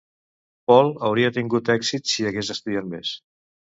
Paul hauria tingut èxit si hagués estudiat més.